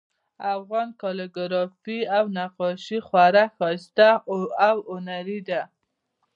افغان کالیګرافي او نقاشي خورا ښایسته او هنري ده